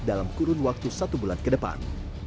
dalam kurun waktu satu bulan ke depan